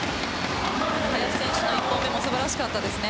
林選手の１本目も素晴らしかったですね。